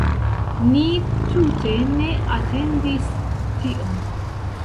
Ni tute ne atendis tion